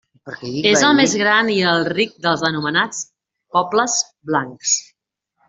És el més gran i el ric dels anomenats Pobles Blancs.